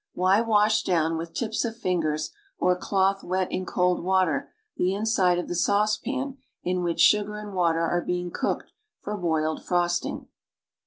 Why wash down, with tips of fingers or cloth wet in cold water, the inside of the saucepan in which sugar and water are being cooked for boiled frosting?